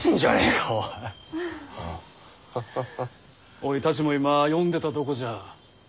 おいたちも今読んでたとこじゃ。